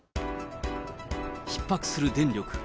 ひっ迫する電力。